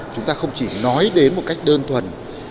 chúng ta không chỉ nói đến một cách đơn thuần